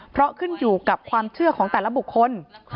เพราะขึ้นอยู่กับความเชื่อของแต่ละบุคคล